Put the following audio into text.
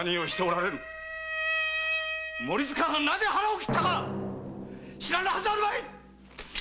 森塚がなぜ腹を切ったか知らぬハズはあるまい！